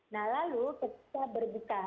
nah lalu ketika berbuka